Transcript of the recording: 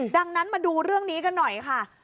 ดังนั้นมาดูเรื่องนี้กันหน่อยค่ะ